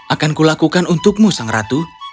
akan kulakukan untukmu sang ratu